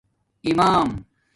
امام